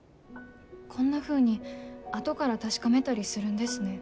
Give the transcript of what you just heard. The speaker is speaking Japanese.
こんなふうに後から確かめたりするんですね。